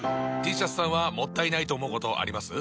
Ｔシャツさんはもったいないと思うことあります？